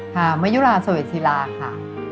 ค่ะมยุราสเวชศิลาค่ะ